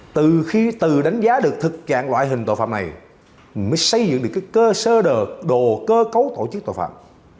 từ khi từ đánh giá được thực trạng loại hình tội phạm này mới xây dựng được cơ sơ đồ cơ cấu tổ chức tội phạm